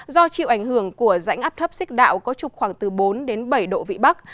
do chịu ảnh hưởng của rãnh áp thấp xích đạo có trục khoảng từ bốn đến bảy độ vị bắc